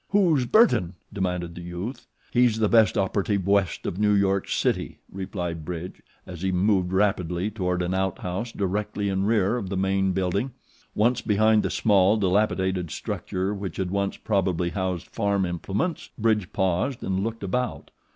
"Who's Burton?" demanded the youth. "He's the best operative west of New York City," replied Bridge, as he moved rapidly toward an outhouse directly in rear of the main building. Once behind the small, dilapidated structure which had once probably housed farm implements, Bridge paused and looked about.